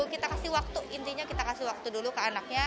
kita kasih waktu intinya kita kasih waktu dulu ke anaknya